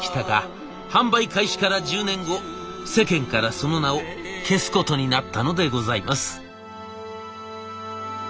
販売開始から１０年後世間からその名を消すことになったのでございます。